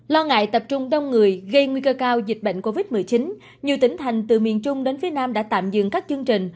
lo ngại tập trung đông người gây nguy cơ cao dịch bệnh covid một mươi chín nhiều tỉnh thành từ miền trung đến phía nam đã tạm dừng các chương trình